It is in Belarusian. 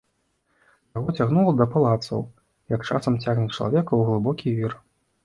Яго цягнула да палацаў, як часам цягне чалавека ў глыбокі вір.